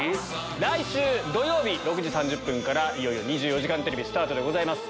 来週土曜日６時３０分からいよいよ『２４時間テレビ』スタートでございます。